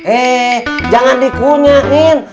eh jangan dikunyain